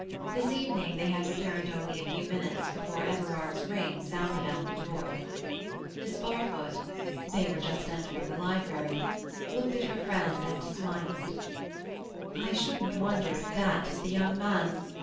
This evening they had returned only a few minutes before Everard's ring sounded at the door. Miss Barfoot (they were just entering the library) looked at her friend and smiled. "I shouldn't wonder if that is the young man.